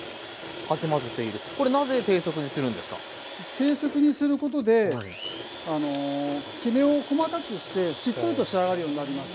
低速にすることできめを細かくしてしっとりと仕上がるようになります。